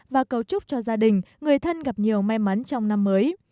và cầu chúc cho gia đình người thân gặp nhiều may mắn trong năm mới